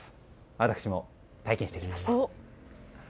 私も体験してきました。